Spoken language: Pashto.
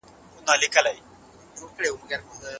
ضرار مه رسوئ.